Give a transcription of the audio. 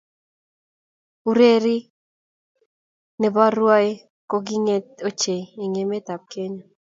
Urerie ne bo rwae ko kinget ochei eng emet ab Kenya.